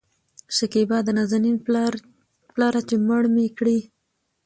شکيبا : د نازنين پلاره چې مړه مې کړې